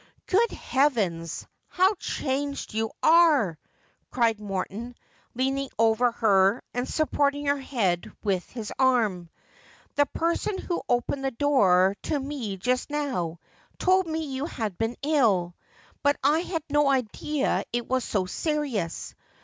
' Good heavens ! how changed you are !' cried Morton, lean ing over her, and supporting her head with his arm. ' The person who opened the door to me just now told ini you had been ill — but I had no idea it was so serious.